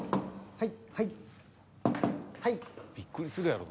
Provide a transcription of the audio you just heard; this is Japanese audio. はい。